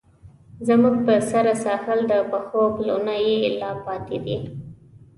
زموږ په سره ساحل، د پښو پلونه یې لا پاتې دي